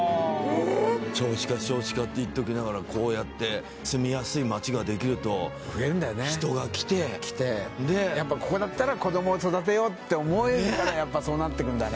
少子化少子化って言っときながらこうやって住みやすい街ができると人が来てやっぱりここだったら子どもを育てようって思えるからそうなってくんだね